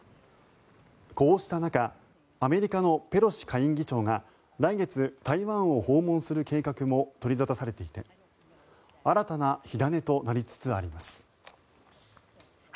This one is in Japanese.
こうした中アメリカのペロシ下院議長が来月、台湾を訪問する計画も取り沙汰されていて新たな火種となりつつあります。